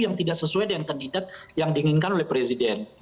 yang tidak sesuai dengan kandidat yang diinginkan oleh presiden